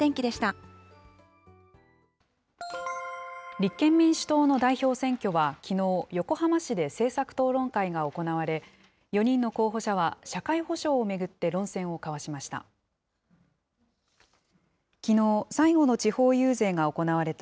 立憲民主党の代表選挙はきのう、横浜市で政策討論会が行われ、４人の候補者は社会保障を巡って論戦を交わしました。